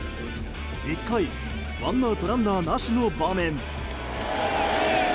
１回ワンアウトランナーなしの場面。